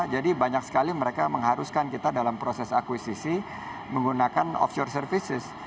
jadi banyak sekali mereka mengharuskan kita dalam proses akuisisi menggunakan offshore services